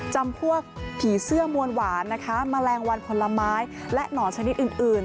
จำพวกผีเสื้อมวลหวานนะคะแมลงวันผลไม้และหนอนชนิดอื่น